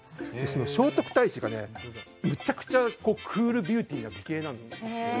聖徳太子が、むちゃくちゃクールビューティーな美形なんですよ。